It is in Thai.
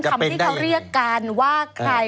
ใครคือน้องใบเตย